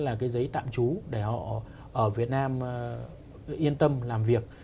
là cái giấy tạm trú để họ ở việt nam yên tâm làm việc